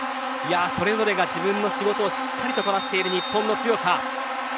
それぞれが仕事をしっかりと行っている日本の強さ。